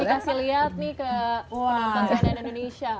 biar dikasih lihat nih ke penonton seandainya indonesia